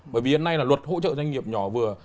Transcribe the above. bởi vì hiện nay là luật hỗ trợ doanh nghiệp nhỏ vừa